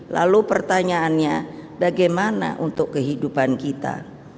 lalu pertanyaannya bagaimana untuk kehidupan kita